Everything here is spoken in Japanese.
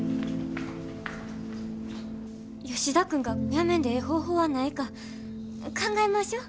吉田君がやめんでええ方法はないか考えましょ？